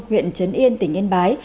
huyện trấn yên tỉnh yên bái